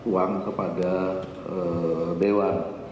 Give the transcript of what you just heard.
uang kepada dewa